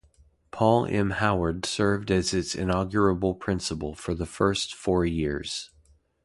Paul M. Howard served as its inaugural principal for the first four years.